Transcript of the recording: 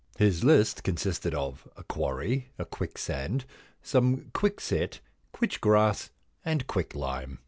His list consisted of a quarry, a quicksand, some quickset, quitch grass, and quick lime.